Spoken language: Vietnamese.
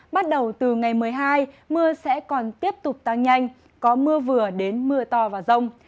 bắt đầu từ ngày một mươi hai mưa sẽ còn tiếp tục tăng nhanh có mưa vừa đến mưa to và rông